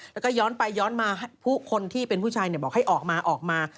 แล้วก็ย้อนไปย้อนมาผู้คนที่เป็นผู้ชายบอกให้ออกมาออกมา